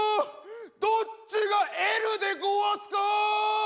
どっちがＬでごわすか？